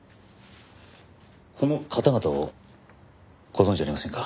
この方々をご存じありませんか？